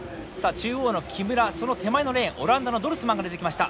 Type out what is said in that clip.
中央の木村その手前のレーンオランダのドルスマンが出てきました。